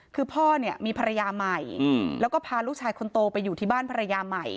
คือพ่อเนี่ยมีภรรยาใหม่แล้วก็พาลูกชายคนโตไปอยู่ที่บ้านภรรยาใหม่